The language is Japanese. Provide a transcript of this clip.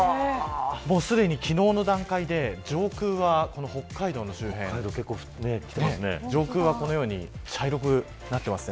すでに昨日の段階で上空は北海道の周辺上空はこのように茶色くなっています。